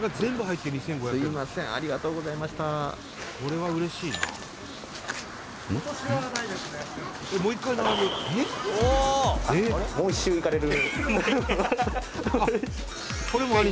「もう１周いかれる？」